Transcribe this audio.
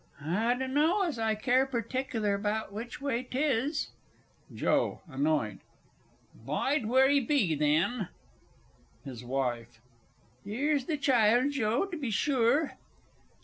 I dunno as I care partickler 'bout which way 'tis. JOE (annoyed). Bide where 'ee be then. HIS WIFE. Theer's th' child, Joe, to be sure.